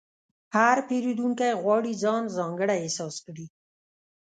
هر پیرودونکی غواړي ځان ځانګړی احساس کړي.